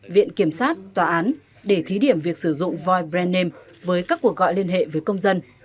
viện kiểm sát tòa án để thí điểm việc sử dụng void brand name với các cuộc gọi liên hệ với công dân